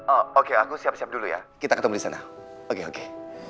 oh oke aku siap siap dulu ya kita ketemu di sana oke oke